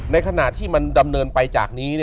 ในขณะที่มันดำเนินไปจากนี้